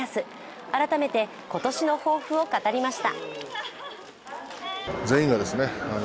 改めて今年の抱負を語りました。